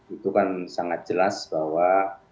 itu kan sangat jelas bahwa